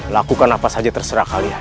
lakukan apa saja terserah kalian